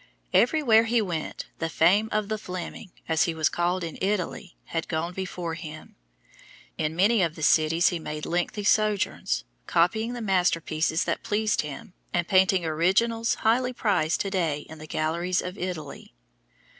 Everywhere he went the fame of "the Fleming," as he was called in Italy, had gone before him. In many of the cities he made lengthy sojourns, copying the masterpieces that pleased him, and painting originals highly prized to day in the galleries of Italy.